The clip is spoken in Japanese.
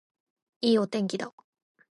いいお天気だ